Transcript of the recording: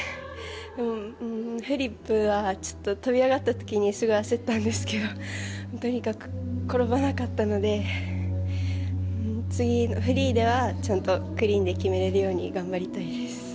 でも、フリップはちょっと跳び上がった時にすごい焦ったんですけどとにかく転ばなかったので次、フリーではちゃんとクリーンで決めれるように頑張りたいです。